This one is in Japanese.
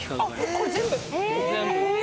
これ、全部？